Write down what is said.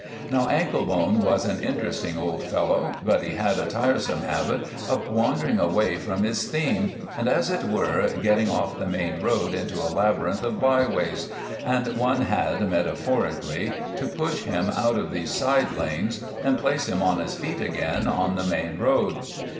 Now, Anklebone was an interesting old fellow, but he had a tiresome habit of wandering away from his theme, and, as it were, getting off the main road into a labyrinth of bye ways, and one had, metaphorically, to push him out of these side lanes and place him on his feet again in the main road.